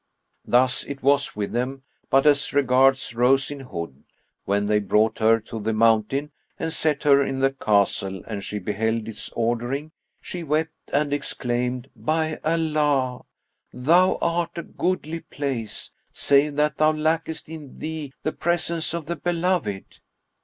Thus it was with them; but as regards Rose in Hood, when they brought her to the mountain and set her in the castle and she beheld its ordering, she wept and exclaimed, "By Allah, thou art a goodly place, save that thou lackest in thee the presence of the beloved!"